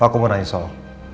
aku mau ngelakuin soal